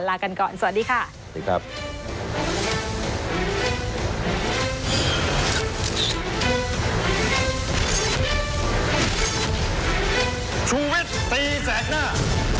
ลากันก่อนสวัสดีค่ะสวัสดีครับ